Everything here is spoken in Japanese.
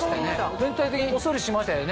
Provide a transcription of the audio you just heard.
全体的にほっそりしましたよね。